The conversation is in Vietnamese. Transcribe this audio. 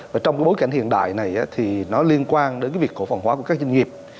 và trong cái bối cảnh hiện đại này thì nó liên quan đến cái việc cổ phần hóa của các doanh nghiệp